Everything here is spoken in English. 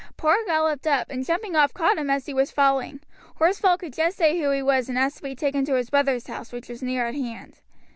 "Parr galloped up, and jumping off caught him as he was falling. Horsfall could just say who he was and ask to be taken to his brother's house, which was near at hand.